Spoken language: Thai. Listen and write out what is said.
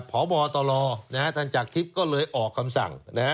พบตลท่านจากทิพย์ก็เลยออกคำสั่ง